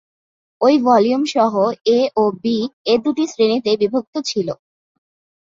ওই ভল্যুমসমূহ ‘A’ ও ‘B’ এ দু’শ্রেণীতে বিভক্ত ছিল।